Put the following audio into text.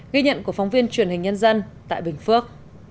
ghi nhận của phóng viên truyền hình nhân dân tại bình phước